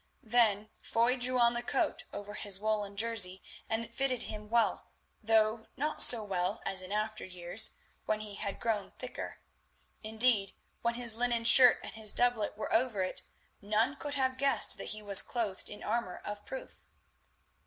Then Foy drew on the coat over his woollen jersey, and it fitted him well, though not so well as in after years, when he had grown thicker. Indeed, when his linen shirt and his doublet were over it none could have guessed that he was clothed in armour of proof.